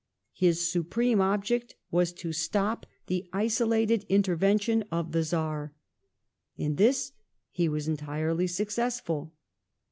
His supreme object was to stop the isolated ~* intervention of the Czar. In this he was entirely successful.